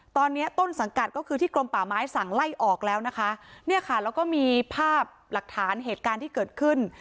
ตอนนี้ต้นสังกัดก็คือที่กรมป่าไม้สั่งไล่ออกแล้วนะคะเนี่ยค่ะแล้วก็มีภาพหลักฐานเหตุการณ์ที่เกิดขึ้น